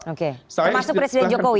oke termasuk presiden jokowi